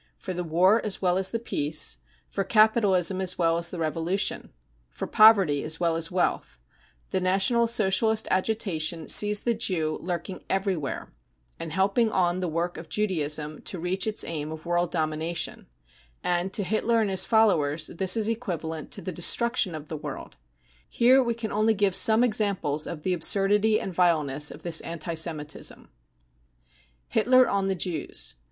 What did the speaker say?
For the war as well as the peace, for capitalism as well as the revolution, for poverty as well as wealth — the National Socialist agitation sees the Jew lurking everywhere and helping on the work of Judaism to reach its aim of world domination : and to Hitler and his followers this is equiva lent to the destruction of the world. Here we can only give some examples of the absurdity and vileness of this anti Semitism* * Hitler on the Jews.